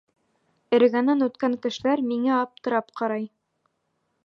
Эргәнән үткән кешеләр миңә аптырап ҡарай.